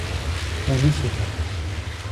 On ne sait pas.